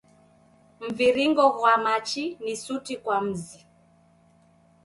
Mviringo ghwa machi ni suti kwa mzi.